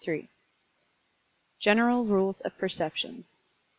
GENERAL RULES OF PERCEPTION.